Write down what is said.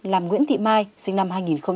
làm nguyễn thị mai sinh năm hai nghìn sáu